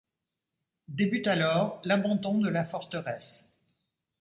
Débute alors l’abandon de la forteresse.